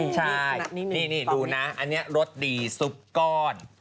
ใช่นี่ดูนะอันนี้รสดีซุปก้อน